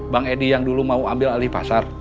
bang edi yang dulu mau ambil alipasar